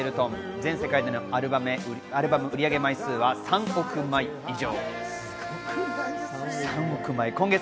全世界でのアルバム総売上枚数は３億枚以上。